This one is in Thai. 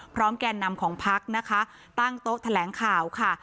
แก่นำของพักนะคะตั้งโต๊ะแถลงข่าวค่ะ